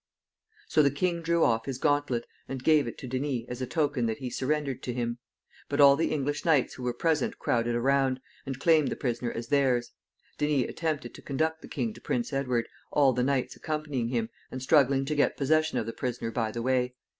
So the king drew off his gauntlet, and gave it to Denys as a token that he surrendered to him; but all the English knights who were present crowded around, and claimed the prisoner as theirs. Denys attempted to conduct the king to Prince Edward, all the knights accompanying him, and struggling to get possession of the prisoner by the way.